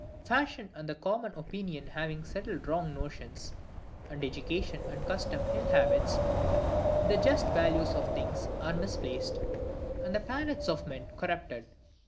Fashion and the common opinion having settled wrong notions, and education and custom ill habits, the just values of things are misplaced, and the palates of men corrupted.